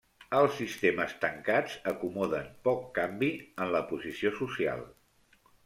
Els sistemes tancats acomoden poc canvi en la posició social.